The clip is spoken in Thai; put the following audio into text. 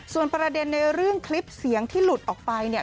ส่วนประเด็นในเรื่องคลิปเสียงที่หลุดออกไปเนี่ย